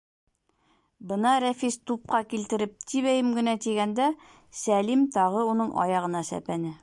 Бына Рәфис тупҡа килтереп тибәйем генә тигәндә, Сәлим тағы уның аяғына сәпәне.